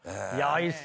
いいっす。